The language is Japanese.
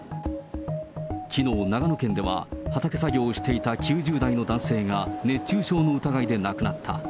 きのう、長野県では、畑作業をしていた９０代の男性が熱中症の疑いで亡くなった。